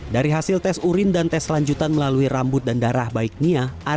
dari hasil tes urin dan tes lanjutan melalui rambut dan darah baik nia